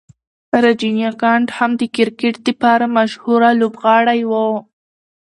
راجنیکانټ هم د کرکټ د پاره مشهوره لوبغاړی و.